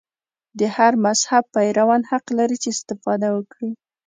د هر مذهب پیروان حق لري چې استفاده وکړي.